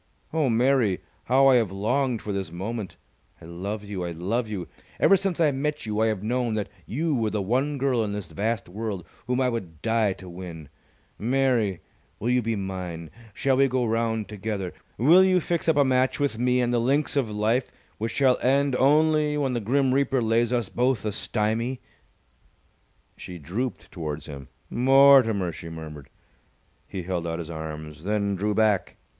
Oh, Mary, how I have longed for this moment! I love you! I love you! Ever since I met you I have known that you were the one girl in this vast world whom I would die to win! Mary, will you be mine? Shall we go round together? Will you fix up a match with me on the links of life which shall end only when the Grim Reaper lays us both a stymie?" She drooped towards him. "Mortimer!" she murmured. He held out his arms, then drew back.